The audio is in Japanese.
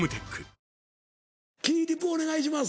お願いします。